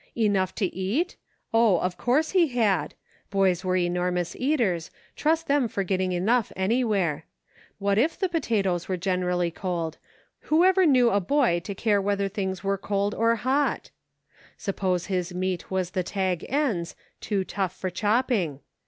" Enough to eat ?" Of course he had ! Boys were enormous eaters ; trust them for getting enough anywhere. What if the potatoes were generally cold ; whoever knew a boy to care whether things were cold or hot } Suppose his meat was the tag ends, too tough for chopping.